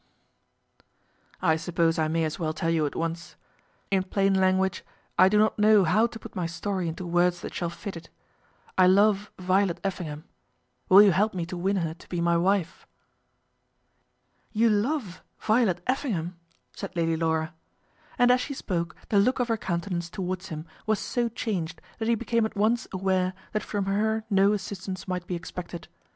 "I suppose I may as well tell you at once, in plain language, I do not know how to put my story into words that shall fit it. I love Violet Effingham. Will you help me to win her to be my wife?" "You love Violet Effingham!" said Lady Laura. And as she spoke the look of her countenance towards him was so changed that he became at once aware that from her no assistance might be expected.